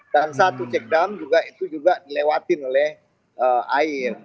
dan satu cek dam itu juga dilewatin oleh air